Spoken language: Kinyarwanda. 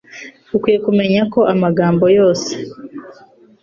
Ukwiye kumenya ko amagambo yose